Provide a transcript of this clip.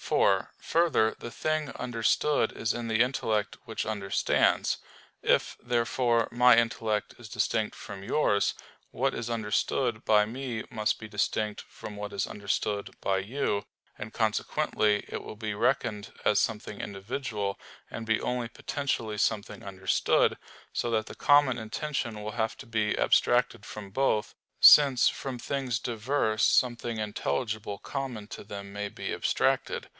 4: Further, the thing understood is in the intellect which understands. If, therefore, my intellect is distinct from yours, what is understood by me must be distinct from what is understood by you; and consequently it will be reckoned as something individual, and be only potentially something understood; so that the common intention will have to be abstracted from both; since from things diverse something intelligible common to them may be abstracted.